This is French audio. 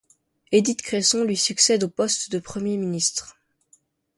Édith Cresson lui succède au poste de premier ministre.